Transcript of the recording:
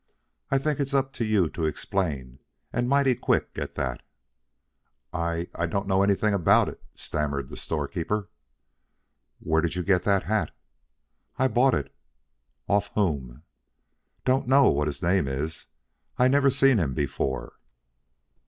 "I think it's up to you to explain and mighty quick at that." "I I don't know anything about it," stammered the storekeeper. "Where did you get that hat?" "I bought it." "Off whom?" "Don't know what his name is. I never seen him before."